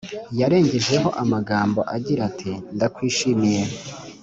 yarengejeho amagambo agira ati “Ndakwishimiye